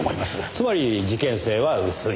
つまり事件性は薄い。